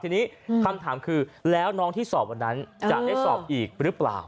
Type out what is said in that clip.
ทีนี้คำถามคือแล้วน้องที่สอบวันนั้นจะได้สอบอีกหรือเปล่า